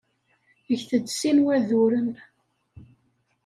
Get-d sin waduren.